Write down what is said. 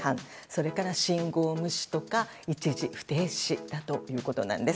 それから、信号無視とか一時不停止だということなんです。